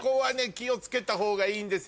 気を付けた方がいいんですよ。